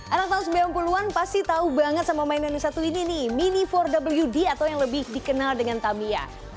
anak tahun sembilan puluh an pasti tahu banget sama mainan yang satu ini nih mini empat wd atau yang lebih dikenal dengan tamiya